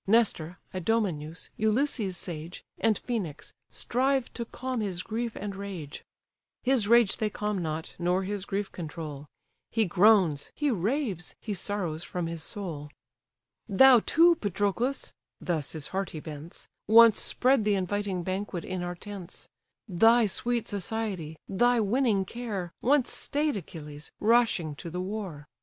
Nestor, Idomeneus, Ulysses sage, And Phœnix, strive to calm his grief and rage: His rage they calm not, nor his grief control; He groans, he raves, he sorrows from his soul. "Thou too, Patroclus! (thus his heart he vents) Once spread the inviting banquet in our tents: Thy sweet society, thy winning care, Once stay'd Achilles, rushing to the war.